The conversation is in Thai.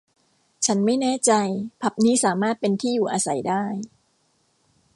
ฉันไม่แน่ใจผับนี้สามารถเป็นที่อยู่อาศัยได้